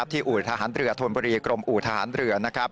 อู่ทหารเรือธนบุรีกรมอู่ทหารเรือ